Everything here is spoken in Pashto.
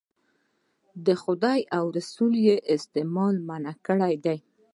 خدای او رسول یې استعمال منع کړی دی.